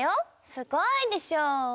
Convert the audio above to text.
すごいでしょ。